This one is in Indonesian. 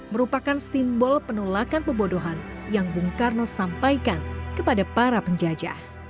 merupakan simbol penolakan pembodohan yang bung karno sampaikan kepada para penjajah